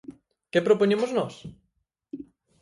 ¿Que propoñemos nós?